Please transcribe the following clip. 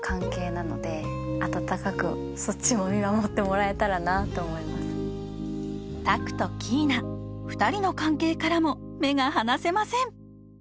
いっていう温かくそっちも見守ってもらえたらなと思います拓とキイナ２人の関係からも目が離せません